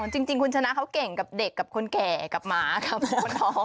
จริงคุณชนะเขาเก่งกับเด็กกับคนแก่กับหมากับคนท้อง